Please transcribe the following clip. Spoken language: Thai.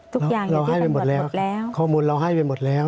ทุกอย่างเราให้ไปหมดแล้วข้อมูลเราให้ไปหมดแล้ว